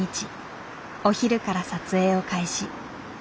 お昼から撮影を開始。